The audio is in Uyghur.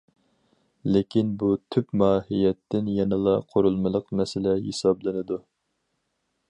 لېكىن بۇ تۈپ ماھىيەتتىن يەنىلا قۇرۇلمىلىق مەسىلە ھېسابلىنىدۇ.